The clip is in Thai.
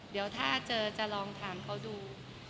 เดี๋ยวถ้าเจอจะลองถามเขาดู